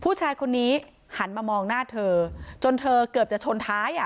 ผู้ชายคนนี้หันมามองหน้าเธอจนเธอเกือบจะชนท้ายอ่ะ